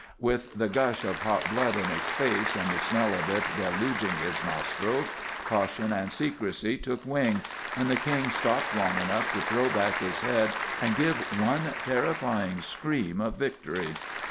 With the gush of hot blood in his face and the smell of it deluging his nostrils, caution and secrecy took wing, and the King stopped long enough to throw back his head and give one terrifying scream of victory.